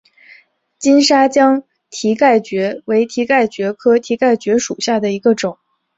金沙江蹄盖蕨为蹄盖蕨科蹄盖蕨属下的一个种。